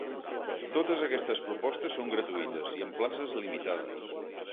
Totes aquestes propostes són gratuïtes, i amb places limitades.